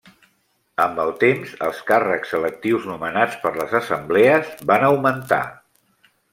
Amb el temps els càrrecs electius nomenats per les Assemblees van augmentar.